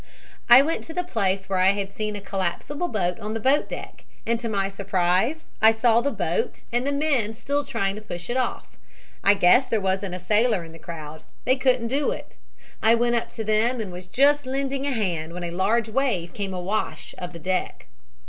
"I went to the place where I had seen a collapsible boat on the boat deck, and to my surprise I saw the boat and the men still trying to push it off. I guess there wasn't a sailor in the crowd. They couldn't do it. I went up to them and was just lending a hand when a large wave came awash of the deck.